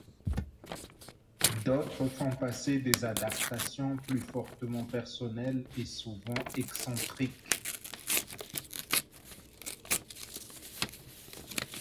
D'autres font du passé des adaptations plus fortement personnelles et souvent excentriques.